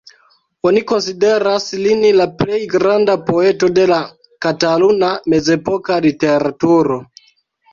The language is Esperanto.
Oni konsideras lin la plej granda poeto de la kataluna mezepoka literaturo.